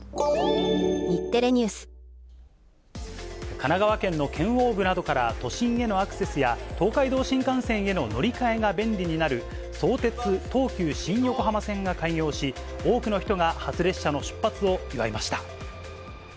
神奈川県の県央部などから、都心へのアクセスや、東海道新幹線への乗り換えが便利になる相鉄・東急新横浜線が開業し、多くの人が初列車の出発を祝いました。